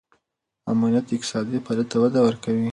امنیت اقتصادي فعالیت ته وده ورکوي.